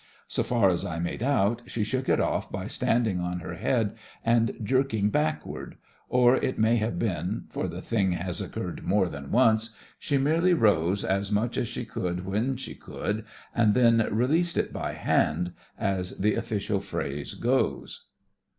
So far as I made out, she shook it off by standing on her head and jerking backward; or it may have been, for the thing has occurred more than once, she merely rose as THE FRINGES OF THE FLEET 51 much as she could when she could, and then "released it by hand," as the official phrase goes.